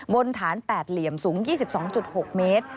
บนฐาน๘เหลี่ยมสูง๒๒๖เมตร